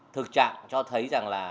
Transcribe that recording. thực trạng cho thấy